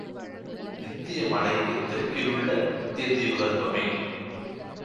விந்திய மலைக்குத் தெற்கிலுள்ள இந்தியத் தீபகற் பமே